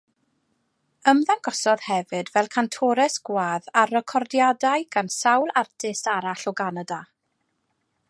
Ymddangosodd hefyd fel cantores gwadd ar recordiadau gan sawl artist arall o Ganada.